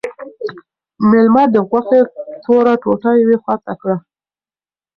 مېلمه د غوښې توره ټوټه یوې خواته کړه.